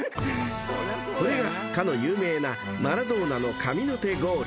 ［これがかの有名なマラドーナの神の手ゴール］